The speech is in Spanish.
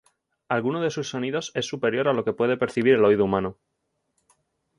Alguno de sus sonidos es superior a lo que puede percibir el oído humano.